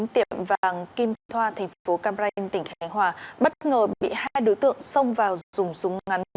tiệm vàng kim thoa thành phố cam ranh tỉnh khánh hòa bất ngờ bị hai đối tượng xông vào dùng súng ngắn